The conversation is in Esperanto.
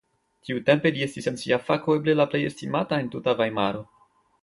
Tiutempe li estis en sia fako eble la plej estimata en tuta Vajmaro.